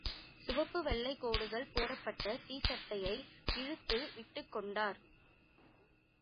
சிவப்பு, வெள்ளைக் கோடுகள் போடப்பட்ட டி சட்டையை இழுத்து விட்டுக்கொண்டார்.